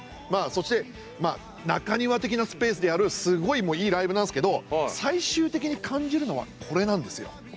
そして中庭的なスペースでやるすごいいいライブなんですけど最終的に感じるのはこれなんですよ。